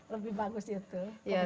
lebih bagus gitu